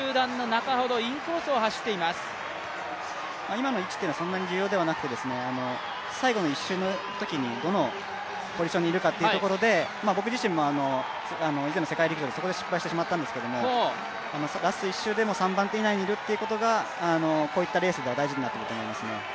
今の位置というのはそんなに重要ではなくて、最後の１周のときにどのポジションにいるかというところで、僕自身も以前の世界陸上でそこで失敗してしまったんですけれども、ラスト１周でも３番手以内にいることがこういったレースでは大事になってきます。